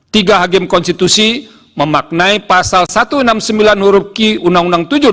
tiga hakim konstitusi memaknai pasal satu ratus enam puluh sembilan uruq uu tujuh dua ribu tujuh belas